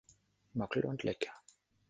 Mockel und Lic.